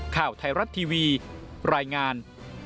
ข่าวไทยรัฐทีวีรายงาน